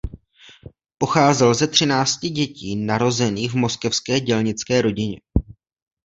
Pocházel ze třinácti dětí narozených v moskevské dělnické rodině.